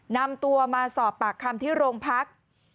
นำตัวมาสอบปากคำที่โรงพัก